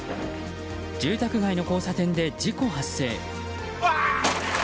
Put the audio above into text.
住宅街の交差点で事故発生。